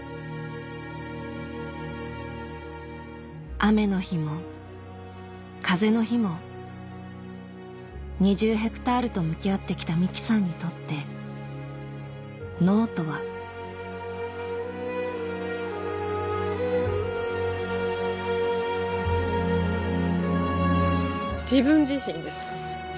雨の日も風の日も２０ヘクタールと向き合って来た美樹さんにとって「農」とは自分自身です。